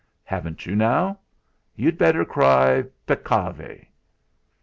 Haven't you now? You'd better cry 'Peccavi.'.